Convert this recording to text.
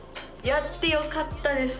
やってよかったです